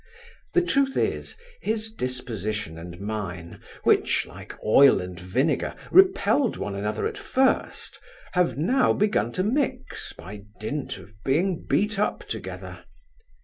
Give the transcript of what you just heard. The truth is, his disposition and mine, which, like oil and vinegar, repelled one another at first, have now begun to mix by dint of being beat up together.